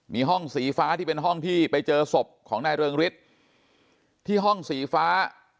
มีห้องสีฟ้าที่เป็นห้องที่ไปเจอศพของนายเริงฤทธิ์ที่ห้องสีฟ้า